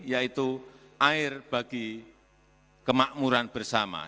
yaitu air bagi kemakmuran bersama